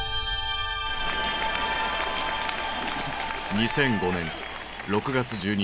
２００５年６月１２日。